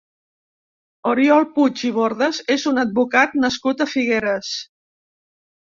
Oriol Puig i Bordas és un advocat nascut a Figueres.